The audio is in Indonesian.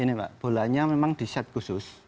ini pak bolanya memang di set khusus